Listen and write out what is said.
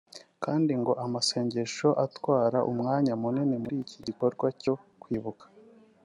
kandi ngo amasengesho atwara umwanya munini muri iki gikorwa cyo kwibuka